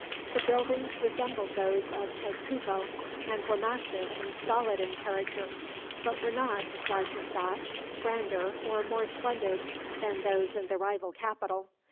The buildings resembled those of Tezcuco, and were massive and solid in character; but were not, Roger thought, grander or more splendid than those in the rival capital.